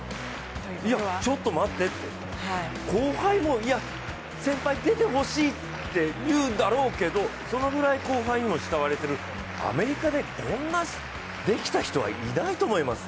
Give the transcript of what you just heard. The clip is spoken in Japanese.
いや、ちょっと待って、後輩も、いや先輩出てほしい！って言うだろうけどそのぐらい後輩にも慕われている、アメリカでこんなできた人はいないと思います。